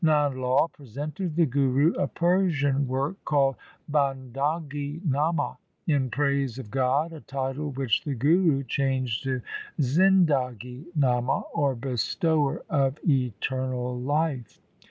Nand Lai presented the Guru a Persian work called Bandagi Nama in praise of God, a title which the Guru changed to Zindagi Nama, or ' Bestower of eternal life.'